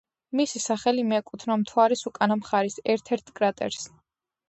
მისი სახელი მიეკუთვნა მთვარის უკანა მხარის ერთ-ერთ კრატერს.